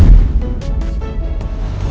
aku mau kasih tau